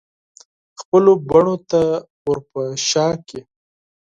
خپلو بڼو ته ورپه شا کړي